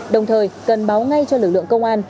đồng thời cần báo ngay cho lực lượng công an